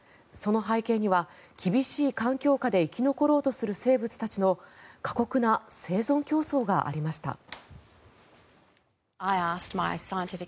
その背景には厳しい環境下で生き残ろうとする生物たちの過酷な生存競争がありました。